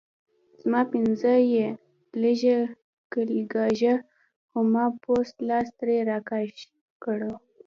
زما پنجه یې لږه کېګاږله خو ما پوست لاس ترې راکش کړو.